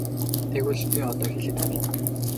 Тэгвэл би одоо хэлээд өгье.